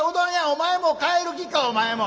お前も帰る気かお前も。